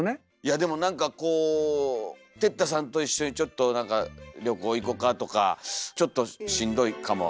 でもなんかこう哲太さんと一緒にちょっと旅行行こかとかちょっとしんどいかもわかんない。